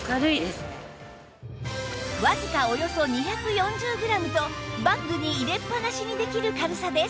わずかおよそ２４０グラムとバッグに入れっぱなしにできる軽さです